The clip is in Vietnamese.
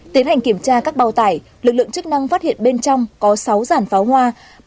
tiến hành kiểm tra các bao tải lực lượng chức năng phát hiện bên trong có sáu giản pháo hoa